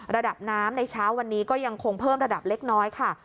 ระดับน้ำในเช้าวันนี้ก็ยังคงเพิ่มระดับเล็กน้อยค่ะ